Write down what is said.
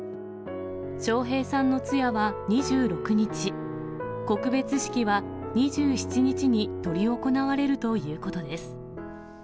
笑瓶さんの通夜は２６日、告別式は２７日に執り行われるということです。